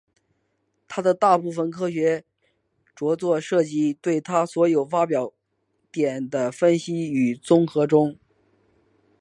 他的大部分科学着作涉及对他人所发表观点的分析与综合中。